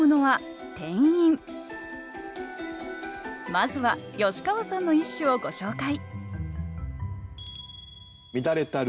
まずは吉川さんの一首をご紹介